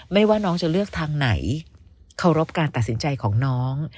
ไม่ว่าน้องจะเลือกทางไหนเคารพการตัดสินใจของน้อง